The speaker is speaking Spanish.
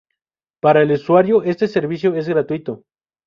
Para el usuario este servicio es gratuito.